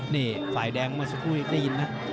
นี่ฝ่ายแดงมาสักครู่อีกได้ยินไหม